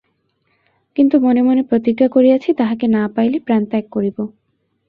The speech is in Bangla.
কিন্তু মনে মনে প্রতিজ্ঞা করিয়াছি তাহাকে না পাইলে প্রাণত্যাগ করিব।